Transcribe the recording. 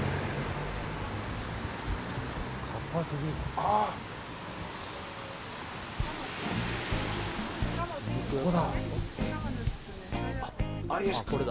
あ、ここだ。